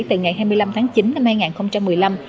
từ ngày hai mươi năm tháng chín năm hai nghìn một mươi năm